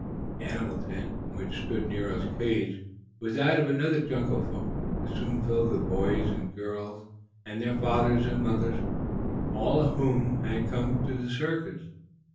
The animal tent, in which stood Nero's cage and that of the other jungle folk, was soon filled with boys and girls and their fathers and mothers, all of whom had come to the circus.